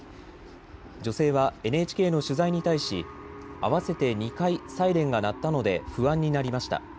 女性はＮＨＫの取材に対し合わせて２回、サイレンが鳴ったので不安になりました。